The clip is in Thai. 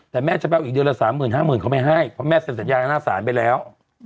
แต่แม่เจ้าแป้วอีกเดือนละสามหมื่นห้าหมื่นเขาไม่ให้เพราะแม่เสร็จสัญญาณหน้าสารไปแล้ว